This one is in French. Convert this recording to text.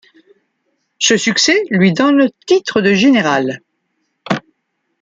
Ce succès lui donne titre de général.